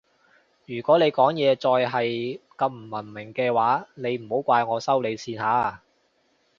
如果你講嘢再係咁唔文明嘅話你唔好怪我收你線吓